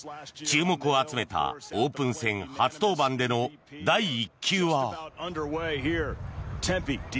注目を集めたオープン戦初登板での第１球は。